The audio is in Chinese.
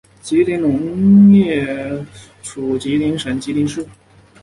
吉林农业科技学院地处吉林省吉林市。